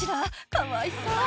かわいそう。